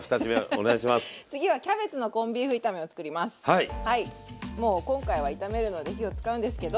はいもう今回は炒めるので火を使うんですけど。